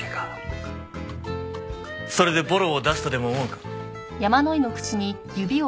それでボロを出すとでも思うか？